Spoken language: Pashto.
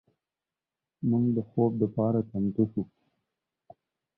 موږ د خوب لپاره چمتو شو.